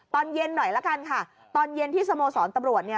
ตอนเย็นหน่อยละกันค่ะตอนเย็นที่สโมสรตำรวจเนี่ย